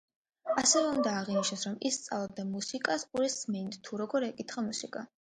ასევე უნდა აღინიშნოს, რომ ის სწავლობდა მუსიკას ყურის სმენით, თუ როგორ ეკითხა მუსიკა.